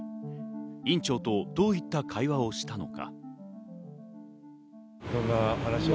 院長とどういった会話をしたのか。